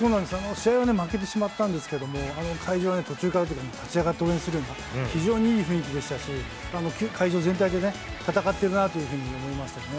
試合は負けてしまったんですけど、会場は立ち上がって応援するような、非常にいい雰囲気でしたし、会場全体でね、戦っているなというふうに思いましたよね。